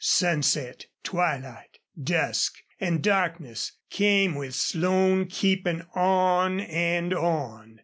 Sunset, twilight, dusk, and darkness came with Slone keeping on and on.